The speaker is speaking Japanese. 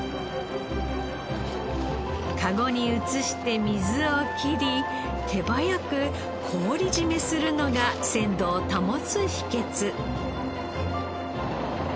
かごに移して水を切り手早く氷締めするのが鮮度を保つ秘訣。